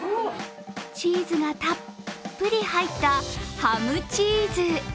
チーズがたっぷり入ったハムチーズ。